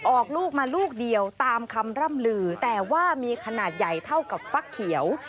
ออกลูกมาลูกเดียวตามคำร่ำลือแต่ว่ามีขนาดใหญ่เท่ากับฟักเขียว